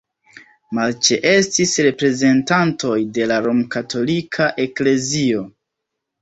Malĉeestis reprezentantoj de la romkatolika eklezio.